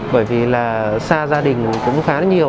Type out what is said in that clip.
bởi vì là xa gia đình cũng khá là nhiều